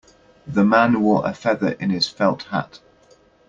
The man wore a feather in his felt hat.